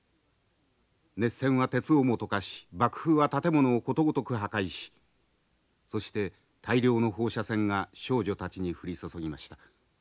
熱線は鉄をも溶かし爆風は建物をことごとく破壊しそして大量の放射線が少女たちに降り注ぎました。